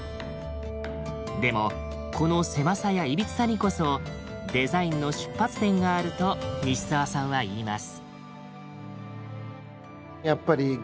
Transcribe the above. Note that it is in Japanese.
でもこの狭さや歪さにこそデザインの出発点があると西沢さんは言います。